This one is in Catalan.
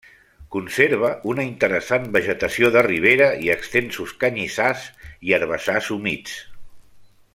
Conserva una interessant vegetació de ribera i extensos canyissars i herbassars humits.